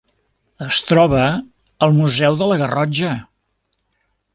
Es troba al Museu de la Garrotxa.